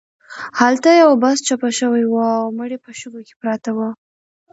هلته یو بس چپه شوی و او مړي په شګو کې پراته وو.